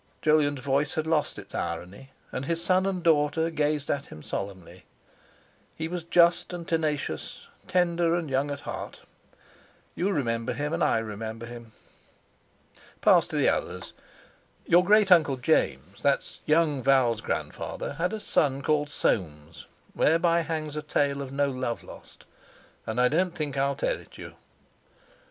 Jolyon's voice had lost its irony, and his son and daughter gazed at him solemnly, "He was just and tenacious, tender and young at heart. You remember him, and I remember him. Pass to the others! Your great uncle James, that's young Val's grandfather, had a son called Soames—whereby hangs a tale of no love lost, and I don't think I'll tell it you.